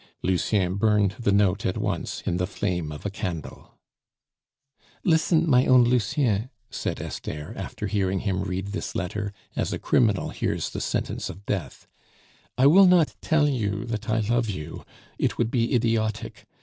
Lucien burned the note at once in the flame of a candle. "Listen, my own Lucien," said Esther, after hearing him read this letter as a criminal hears the sentence of death; "I will not tell you that I love you; it would be idiotic.